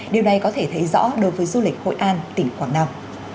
điều này có thể thấy rõ đối với du lịch hội an tỉnh quảng nam